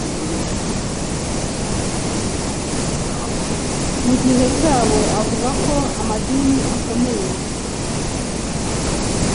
mugihe cyabo avuga ko amadini akomeye